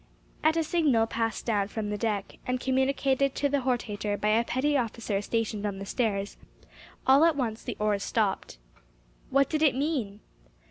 At a signal passed down from the deck, and communicated to the hortator by a petty officer stationed on the stairs, all at once the oars stopped. What did it mean?